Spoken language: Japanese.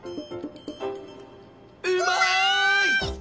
うまい！